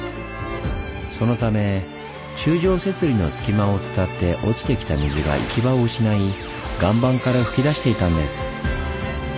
そのため柱状節理の隙間を伝って落ちてきた水が行き場を失い岩盤から噴き出していたんです。